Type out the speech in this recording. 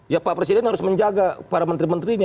ya pak presiden harus menjaga para menteri menterinya